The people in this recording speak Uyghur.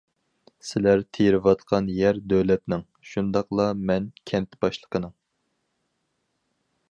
سىلەر تېرىۋاتقان يەر دۆلەتنىڭ، شۇنداقلا مەن— كەنت باشلىقىنىڭ.